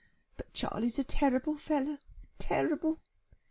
But Charley's a terrible fellow, terrible."